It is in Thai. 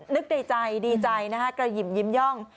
นึกในใจดีใจนะฮะกระหยิ่มยิ้มย่อง